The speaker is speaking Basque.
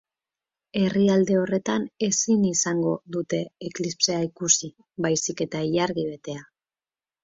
Herrialde horretan ezin izango dute eklipsea ikusi, baizik eta ilargi betea.